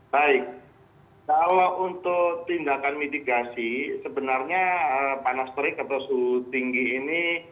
baik kalau untuk tindakan mitigasi sebenarnya panas terik atau suhu tinggi ini